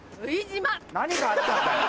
何があったんだよ？